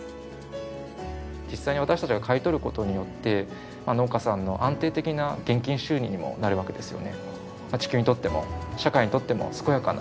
実際に私たちが買い取る事によって農家さんの安定的な現金収入にもなるわけですよね。